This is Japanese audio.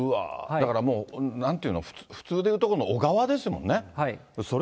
だからもう、なんていうの、普通でいうところの小川ですもんね。